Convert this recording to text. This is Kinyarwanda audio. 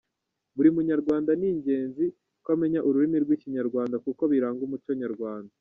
Buri munyarwanda n'ingenzi ko amenya ururimi rw'ikinyarwanda kuko biranga umuco nyarwanda.